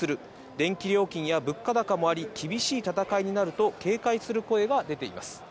電気料金や物価高もあり、厳しい戦いになると警戒する声が出ています。